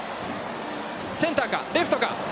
センターか、レフトか。